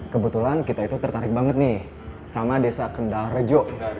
kebetulan kita itu tertarik banget nih sama desa kendal rejo